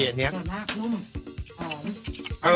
กลัวมากนุ่มหอม